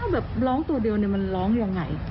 แบบร้องตัวเดียวมันร้องยังไง